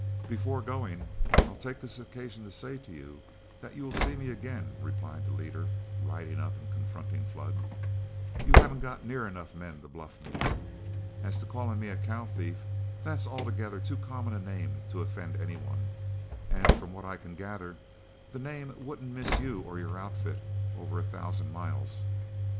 "Before going, I'll take this occasion to say to you that you will see me again," replied the leader, riding up and confronting Flood. "You haven't got near enough men to bluff me. As to calling me a cow thief, that's altogether too common a name to offend any one; and from what I can gather, the name wouldn't miss you or your outfit over a thousand miles.